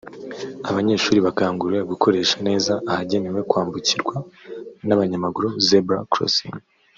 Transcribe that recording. Abanyeshuri bakanguriwe gukoresha neza ahagenewe kwambukirwa n’abanyamaguru (Zebra crossing)